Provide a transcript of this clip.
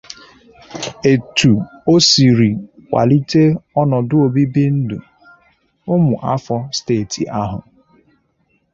etu o siri kwàlite ọnọdụ obibindụ ụmụafọ steeti ahụ